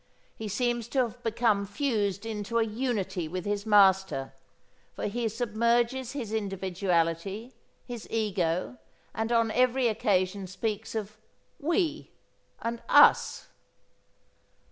He seems to have become fused into a unity with his master, for he submerges his individuality, his ego, and on every occasion speaks of "we" and "us."